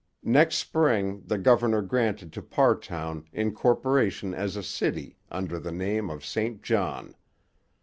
Next spring the governor granted to Parrtown incorporation as a city under the name of St John.